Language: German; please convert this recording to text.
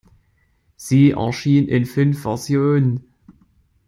Sie erschien in fünf Versionen.